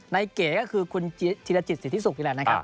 เก๋ก็คือคุณธิรจิตสิทธิสุขนี่แหละนะครับ